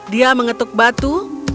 dia mengetuk batu